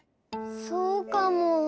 そうかも。